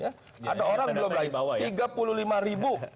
ada orang yang belum lahir tiga puluh lima ribu